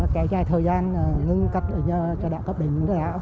cái dài thời gian ngưng cắt cho đảo cấp điện